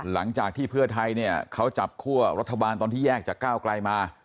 หลังจากที่เพื่อไทยเนี่ยเขาจับคั่วรัฐบาลตอนที่แยกจากก้าวไกลมา